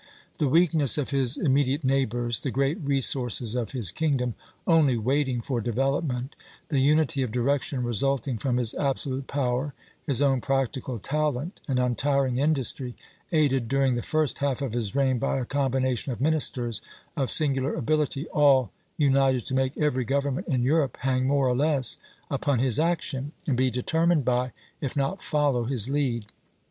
The weakness of his immediate neighbors, the great resources of his kingdom, only waiting for development, the unity of direction resulting from his absolute power, his own practical talent and untiring industry, aided during the first half of his reign by a combination of ministers of singular ability, all united to make every government in Europe hang more or less upon his action, and be determined by, if not follow, his lead.